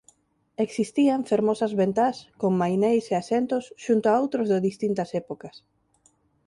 Existían fermosas ventás con maineis e asentos xunto a outros de distintas épocas.